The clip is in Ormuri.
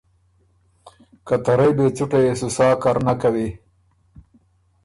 که ته رئ بې څُټه يې سو سا کر نک کوی